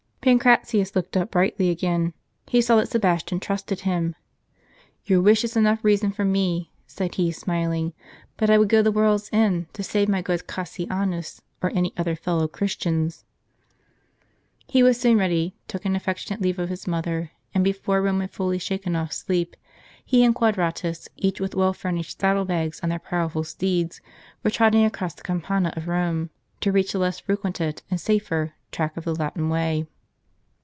Pancratius looked up brightly again ; he saw that Sebas tian trusted him. "Your wish is enough reason for me," said he, smiling; "but I would go the world's end to save my good Cassianus, or any other fellow Christians." He was soon ready, took an affectionate leave of his mother; and before Rome had fully shaken off sleep, he and Quadratus, each with well furnished saddle bags on their powerful steeds, were trotting across the campagna of Rome, to reach the less frequented, and safer, track of the Latin way.